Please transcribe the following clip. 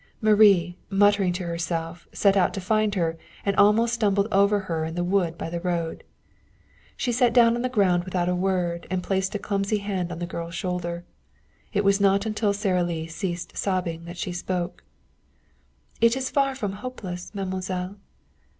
Marie, muttering to herself, set out to find her, and almost stumbled over her in the wood by the road. She sat down on the ground without a word and placed a clumsy hand on the girl's shoulder. It was not until Sara Lee ceased sobbing that she spoke: "It is far from hopeless, mademoiselle."